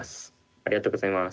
ありがとうございます。